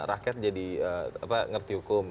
rakyat jadi ngerti hukum